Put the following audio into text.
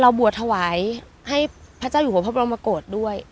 บวชถวายให้พระเจ้าอยู่หัวพระบรมโกรธด้วย